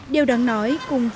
điều đáng nói cùng với